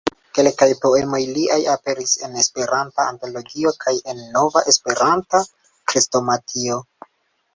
Kelkaj poemoj liaj aperis en "Esperanta Antologio" kaj en "Nova Esperanta Krestomatio".